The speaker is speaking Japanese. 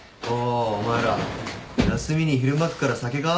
おお前ら休みに昼間っから酒か？